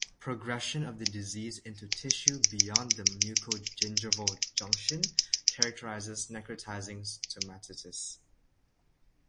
Progression of the disease into tissue beyond the mucogingival junction characterizes necrotizing stomatitis.